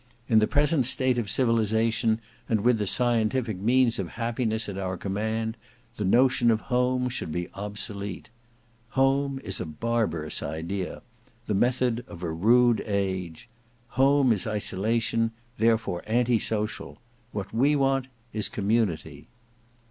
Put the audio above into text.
In the present state of civilization and with the scientific means of happiness at our command, the notion of home should be obsolete. Home is a barbarous idea; the method of a rude age; home is isolation; therefore anti social. What we want is Community."